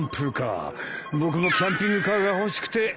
僕もキャンピングカーが欲しくて調べてるんだよ。